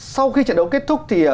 sau khi trận đấu kết thúc thì